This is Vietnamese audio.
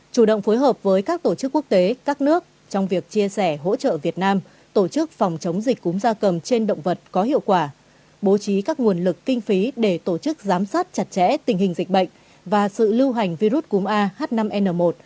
chủ động phối hợp với các tổ chức quốc tế các nước trong việc chia sẻ hỗ trợ việt nam tổ chức phòng chống dịch cúm gia cầm